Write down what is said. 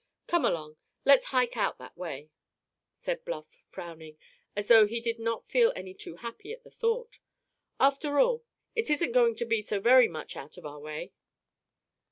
"Come along, let's hike out that way," said Bluff, frowning, as though he did not feel any too happy at the thought. "After all, it isn't going to be so very much out of our way."